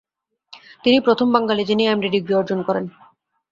তিনি প্রথম বাঙালি যিনি এম.ডি ডিগ্রি অর্জন করেন।